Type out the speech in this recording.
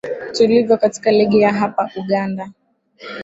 tulivyo katika ligi ya hapa uganda